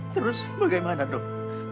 terus bagaimana dok